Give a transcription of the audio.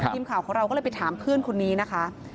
ทีมข่าวของเราก็เลยไปถามเพื่อนคนนี้นะคะ